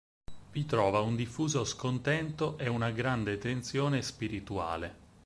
Vi trova un diffuso scontento e una grande tensione spirituale.